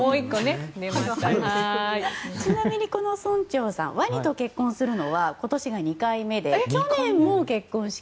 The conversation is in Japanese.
ちなみにこの村長さんワニと結婚するのは今年で２回目で違う形で？